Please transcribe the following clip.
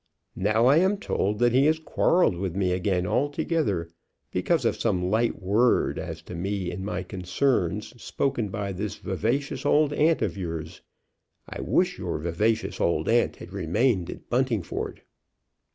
Now I am told that he has quarrelled with me again altogether, because of some light word as to me and my concerns spoken by this vivacious old aunt of yours. I wish your vivacious old aunt had remained at Buntingford."